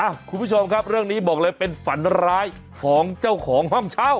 คุณผู้ชมครับเรื่องนี้บอกเลยเป็นฝันร้ายของเจ้าของห้องเช่า